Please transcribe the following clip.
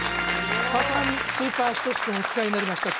さすがにスーパーヒトシ君をお使いになりました